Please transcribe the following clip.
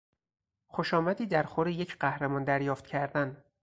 خوشامدی در خور یک قهرمان دریافت کردن